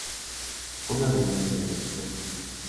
Una de ellas es Toluca.